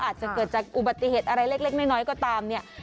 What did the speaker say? อาจจะเกิดจากอุบัติเหตุอะไรเล็กน้อยก็ตามเนี่ย